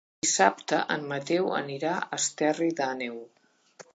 Dissabte en Mateu anirà a Esterri d'Àneu.